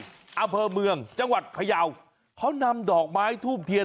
อำเภอเมืองจังหวัดพยาวเขานำดอกไม้ทูบเทียน